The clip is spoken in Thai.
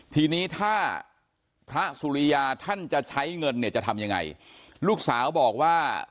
ทีนี้ถ้าพระสุริยาท่านจะใช้เงินเนี่ยจะทำยังไงลูกสาวบอกว่า